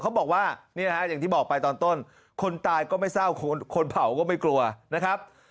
อย่างที่บอกไปตอนต้นคนตายก็ไม่เศร้าคนเผาก็ไม่กลัวนะครับ